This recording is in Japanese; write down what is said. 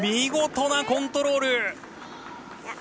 見事なコントロール！